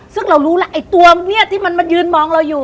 ซึ่งเรารู้แล้วไอ้ตัวเนี่ยที่มันมายืนมองเราอยู่